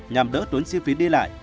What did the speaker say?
nhằm đỡ tốn chi phí đi lại